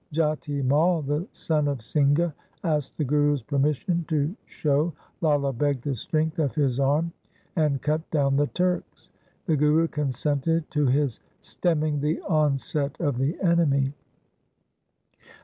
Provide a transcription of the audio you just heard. Jati Mai, the son of Singha, asked the Guru's permission to show Lala Beg the strength of his arm, and cut down the Turks. The Guru consented to his stemming the onset of the enemy.